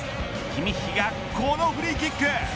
キミッヒがこのフリーキック。